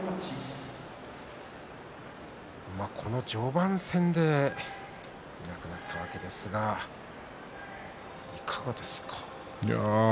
この序盤戦で、勝ちっぱなしがいなくなったわけですがいかがですか。